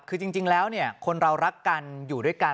คือจริงแล้วคนเรารักกันอยู่ด้วยกัน